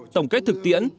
tổng kết thực tiễn